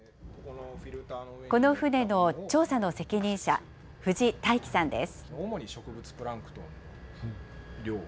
この船の調査の責任者、冨士泰期さんです。